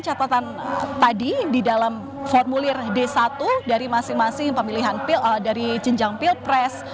catatan tadi di dalam formulir d satu dari masing masing pemilihan dari jenjang pilpres